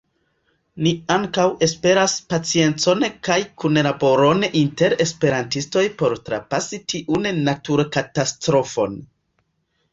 Ni ankaŭ esperas paciencon kaj kunlaboron inter esperantistoj por trapasi tiun naturkatastrofon.